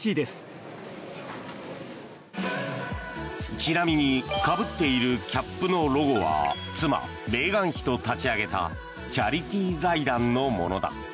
ちなみにかぶっているキャップのロゴは妻・メーガン妃と立ち上げたチャリティー財団のものだ。